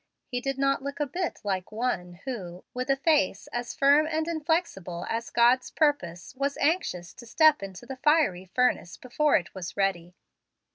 He did not look a bit like one who, with face as firm and inflexible as God's purpose, was anxious to step into the fiery furnace before it was ready.